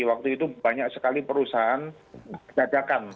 waktu itu banyak sekali perusahaan jajakan